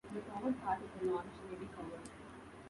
The forward part of the launch may be covered.